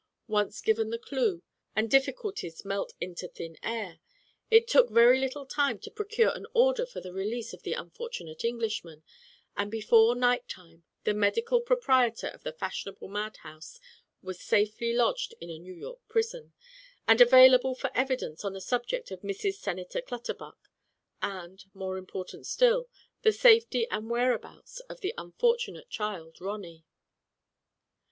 Once given the clew, and difficulties melt into thin air. It took very little time to procure an order for the release of the unfortunate Englishman, and before night time the medical proprietor of the fashionable madhouse was safely lodged in a New York prison, and available for evidence on the subject of Mrs. Senator Clutterbuck, and, more important still, the safety and whereabouts of the unfortunate child Ronny.